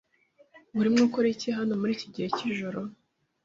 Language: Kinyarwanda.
Urimo ukora iki hano muri iki gihe cyijoro?